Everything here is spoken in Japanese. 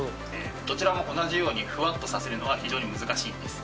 どちらも同じようにふわっとさせるのは非常に難しいんです。